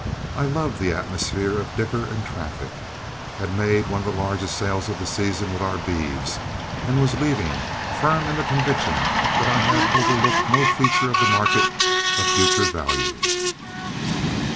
I loved the atmosphere of dicker and traffic, had made one of the largest sales of the season with our beeves, and was leaving, firm in the conviction that I had overlooked no feature of the market of future value.